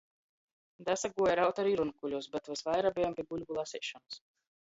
Dasaguoja raut ari runkuļus, bet vysvaira bejom pi guļbu laseišonys.